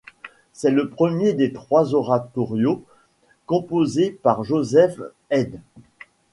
C'est le premier des trois oratorios composés par Joseph Haydn.